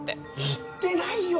言ってないよ